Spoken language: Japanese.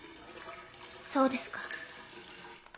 そうですか。